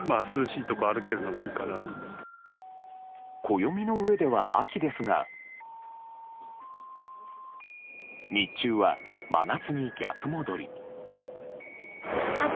暦の上では秋ですが日中は真夏に逆戻り。